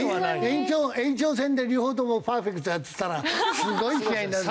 延長延長戦で両方ともパーフェクトやってたらすごい試合になる。